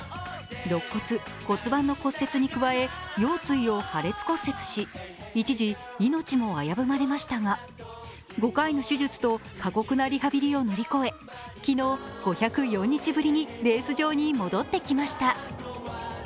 ろっ骨、骨盤の骨折に加え腰椎を破裂骨折し、一時命も危ぶまれましたが５回の手術と過酷なリハビリを乗り越え、昨日、５０４日ぶりにレース場に戻ってきました。